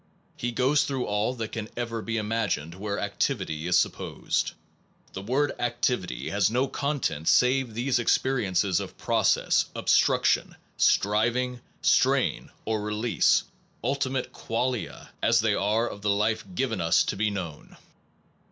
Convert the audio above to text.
He goes through all that can ever be imagined where activity is supposed. The word activity 5 has no content save these experiences of process, obstruction, striving, strain, or release, ultimate qualia as they are of the life given us to be known.